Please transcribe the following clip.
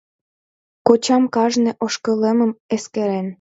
Кочам кажне ошкылемым эскерен.